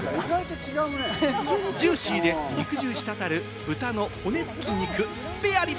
ジューシーで肉汁滴る豚の骨付き肉・スペアリブ。